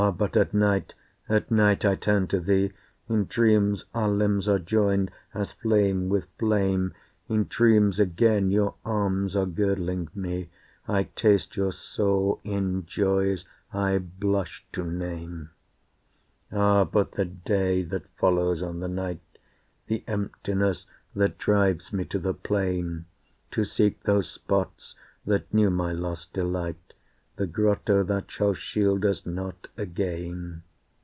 but at night, At night I turn to thee. In dreams our limbs are joined, as flame with flame, In dreams again your arms are girdling me, I taste your soul in joys I blush to name. Ah! but the day that follows on the night, The emptiness that drives me to the plain To seek those spots that knew my lost delight, The grotto that shall shield us not again.